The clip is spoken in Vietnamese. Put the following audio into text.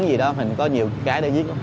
gì đó mình có nhiều cái để viết